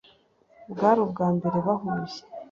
bwari ubwambere bahuye